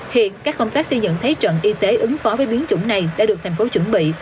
hiện các công tác xây dựng thế trận y tế ứng phó với biến chủng này đã được thành phố chuẩn bị